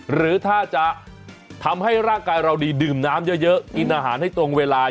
หรือถ้าจะทำให้ร่างกายเราดีดื่มน้ำเยอะกินอาหารให้ตรงเวลา